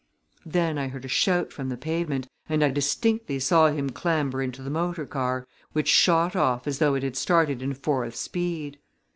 Then I heard a shout from the pavement and I distinctly saw him clamber into the motor car, which shot off as though it had started in fourth speed.